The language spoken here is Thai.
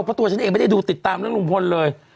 เพราะตัวฉันเองไม่ได้ดูติดตามเรื่องลุงพลเลย